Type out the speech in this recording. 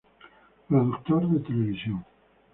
Productor de televisión